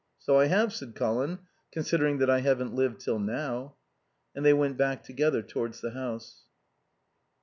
"So I have," said Colin; "considering that I haven't lived till now." And they went back together towards the house.